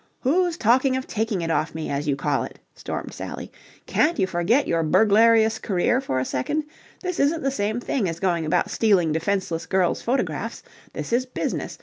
"Who's talking of taking it off me, as you call it?" stormed Sally. "Can't you forget your burglarious career for a second? This isn't the same thing as going about stealing defenceless girls' photographs. This is business.